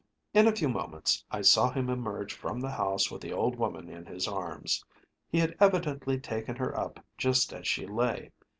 In a few moments I saw him emerge from the house with the old woman in his arms. He had evidently taken her up just as she lay.